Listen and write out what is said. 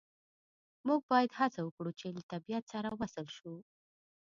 موږ باید هڅه وکړو چې له طبیعت سره وصل شو